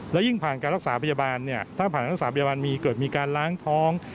แล้วยิ่งผ่านการรักษาพยาบาลเนี่ยถ้าผ่านรักษาพยาบาลมีเกิดมีการล้างท้อง